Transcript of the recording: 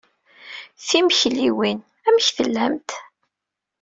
Timekliwin. Amek tellamt?